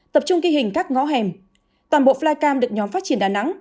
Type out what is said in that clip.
tập trung ghi hình các ngõ hẻm toàn bộ flycam được nhóm phát triển đà nẵng